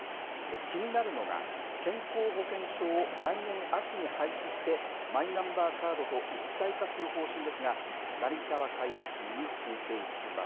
気になるのが健康保険証を来年秋に廃止してマイナンバーカードと一体化する方針ですが成澤解説委員に聞いていきます。